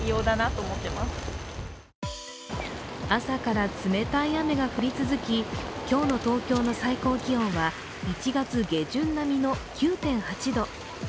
朝から冷たい雨が降り続き今日の東京の最高気温は１月下旬並みの９．８度。